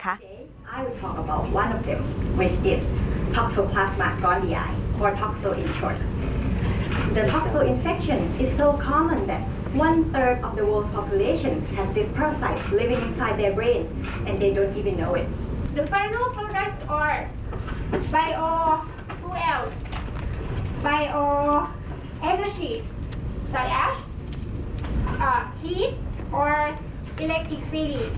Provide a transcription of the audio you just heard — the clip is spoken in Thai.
การค้นหาผลงานหรือผลงานอังกฤษ